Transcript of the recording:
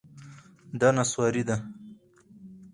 دا نسواري ده